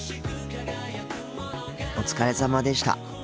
お疲れさまでした。